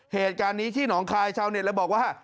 เหตุการณ์นี้ที่หนองคายชาวเน็ตเลยบอกว่า